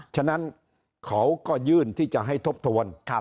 ฉะนั้นเขาก็ยื่นที่จะให้ทบทวน